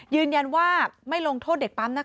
ยืนยันว่าไม่ลงโทษเด็กปั๊มนะคะ